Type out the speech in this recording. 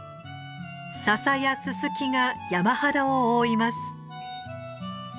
ササやススキが山肌を覆います。